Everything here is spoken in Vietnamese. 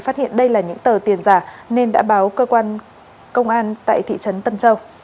phát hiện đây là những tờ tiền giả nên đã báo cơ quan công an tại thị trấn tân châu